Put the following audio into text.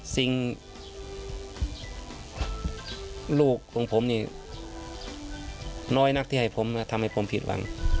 สิ่งลูกของผมนี่น้อยนักที่ให้ผมทำให้ผมผิดหวัง